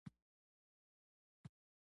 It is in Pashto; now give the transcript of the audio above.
نور ګام وانه خیست.